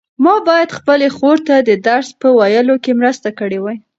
ما باید خپلې خور ته د درس په ویلو کې مرسته کړې وای.